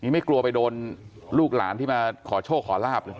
ไม่กลัวไปโดนลูกหลานที่มาขอโชคขอลาบเลย